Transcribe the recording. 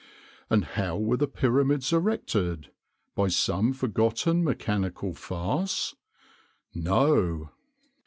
And how were the Pyramids erected? By some forgotten mechanical farce? No.